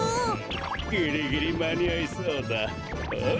ぎりぎりまにあいそうだ。ああ？